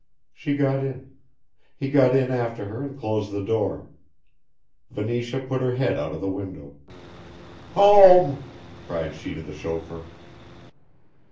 She got in. He got in after her and closed the door. Venetia put her head out of the window: "Home," cried she to the chauffeur.